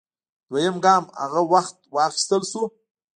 دویم ګام هغه وخت واخیستل شو